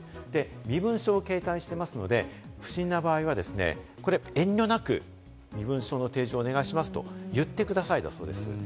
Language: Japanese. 身分証を携帯してますので、不審な場合はですね、遠慮なく身分証の提示をお願いしますと言ってくださいだそうです。